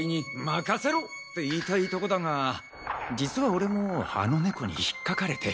任せろ！って言いたいとこだが実は俺もあの猫に引っ掻かれて。